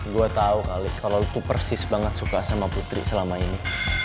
gua tau kali kalo lu tuh persis banget suka sama putri selama ini